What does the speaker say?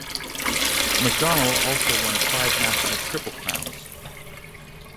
McDonnell also won five national triple crowns.